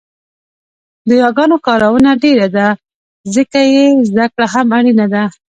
د یاګانو کارونه ډېره ده ځکه يې زده کړه هم اړینه ده